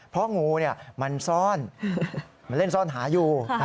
เพราะงูมันซ่อนมันเล่นซ่อนหาอยู่